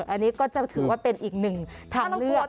อันนี้ก็จะถือว่าเป็นอีกหนึ่งทางเลือก